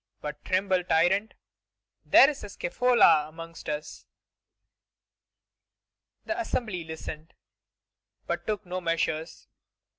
But tremble, tyrant; there is a Scævola amongst us.'" The Assembly listened, but took no measures.